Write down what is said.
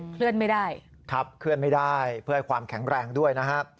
เคลื่อนไม่ได้ครับเคลื่อนไม่ได้เพื่อให้ความแข็งแรงด้วยนะฮะ